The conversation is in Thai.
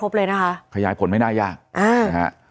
ก็เป็นสถานที่ตั้งมาเพลงกุศลศพให้กับน้องหยอดนะคะ